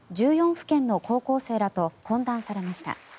府県の高校生らと懇談されました。